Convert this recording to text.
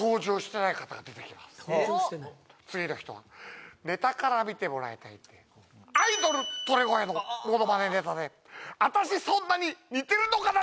別に次の人はネタから見てもらいたいんでアイドル鳥越のものまねネタで「私そんなに似てるのかな？」